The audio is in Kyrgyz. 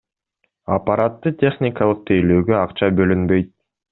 Аппаратты техникалык тейлөөгө акча бөлүнбөйт.